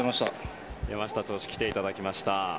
山下投手に来ていただきました。